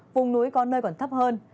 vùng núi có nơi còn thấp hơn